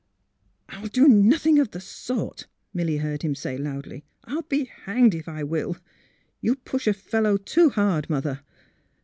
I'll do nothing of the sort! " Milly heard him say loudly. *' I '11 be hanged if I will ! You push a fellow too hard, Mother."